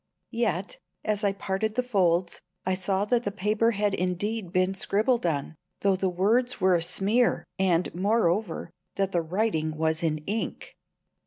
Yet, as I parted the folds, I saw that the paper had indeed been scribbled on, though the words were a smear; and, moreover, that the writing was in ink!